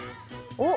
おっ！